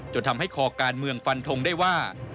จนทำให้คอการเมืองฟันทงได้ว่า